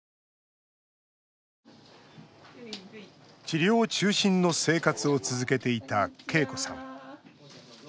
治療中心の生活を続けていた恵子さん。